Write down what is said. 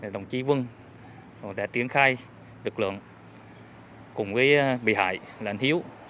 đồng chí vân đã triển khai lực lượng cùng với bị hại là anh hiếu